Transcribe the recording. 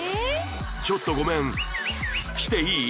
ちょっとごめんしていい？